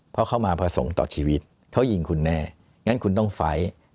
เพราะเขามาประสงค์ต่อชีวิตเขายิงคุณแน่งั้นคุณต้องไฟล์